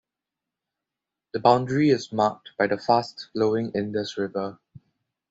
The boundary is marked by the fast-flowing Indus River.